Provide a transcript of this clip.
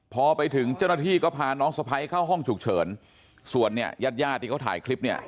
พอไปถึงเจ้าหน้าที่ก็พาน้องสะพ้ายเข้าห้องฉุกเฉินส่วนเนี่ยญาติญาติที่เขาถ่ายคลิปเนี่ย